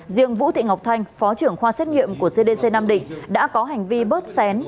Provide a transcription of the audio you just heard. riêng vũ thị ngọc thanh phó trưởng khoa xét nghiệm của cdc nam định đã có hành vi bớt xén